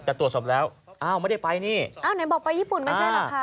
แต่ตรวจสอบแล้วอ้าวไม่ได้ไปนี่อ้าวไหนบอกไปญี่ปุ่นไม่ใช่เหรอคะ